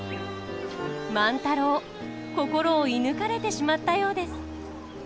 万太郎心を射ぬかれてしまったようです。